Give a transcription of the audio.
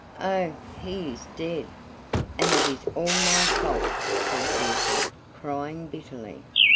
"Oh! he is dead; and it is all my fault," said Beauty, crying bitterly.